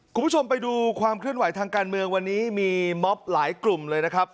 คุณผู้ชมไปดูความเคลื่อนไหวทางการเมืองวันนี้มีม็อบหลายกลุ่มเลยนะครับ